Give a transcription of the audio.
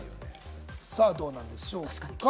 どうなんでしょうか？